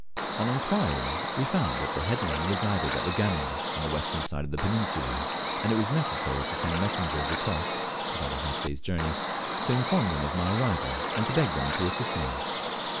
On inquiry, we found that the head men resided at the other Gani on the western side of the peninsula, and it was necessary to send messengers across (about half a day's journey) to inform them of my arrival, and to beg them to assist me.